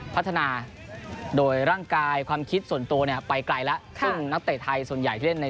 พัฒนาโดยร่างกายความคิดส่วนตัวเนี่ยไปไกลแล้วซึ่งนักเตะไทยส่วนใหญ่ที่เล่นใน